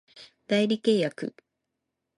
代理契約